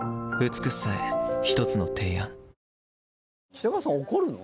北川さん怒るの？